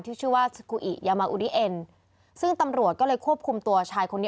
ชื่อว่าสกุอิยามาอุดีเอ็นซึ่งตำรวจก็เลยควบคุมตัวชายคนนี้